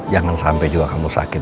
jangan sampai juga kamu sakit